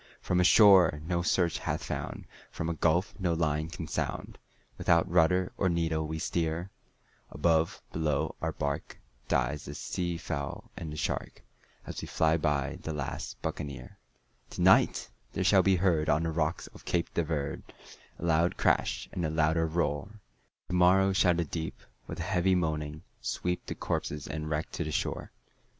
"From a shore no search hath found, from a gulf no line can sound, Without rudder or needle we steer; Above, below, our bark, dies the sea fowl and the shark, As we fly by the last Buccaneer. "To night there shall be heard on the rocks of Cape de Verde, A loud crash, and a louder roar; And to morrow shall the deep, with a heavy moaning, sweep The corpses and wreck to the shore."